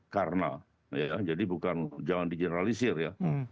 karena ya jadi bukan jangan digeneralisir ya